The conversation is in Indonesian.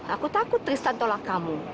aku takut tristan tolak kamu